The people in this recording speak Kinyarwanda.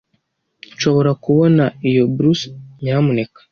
Nshobora kubona iyo blouse, nyamuneka?